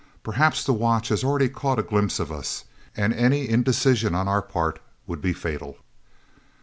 Perhaps the watch has already caught a glimpse of us, and any indecision on our part would be fatal."